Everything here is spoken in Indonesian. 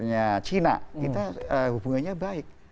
misalnya cina kita hubungannya baik